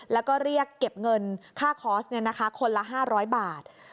แล้วก็เรียกเก็บเงินค่าคอร์สคนละ๕๐๐บาท